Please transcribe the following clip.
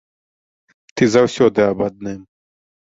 Ты заўсёды аб адным.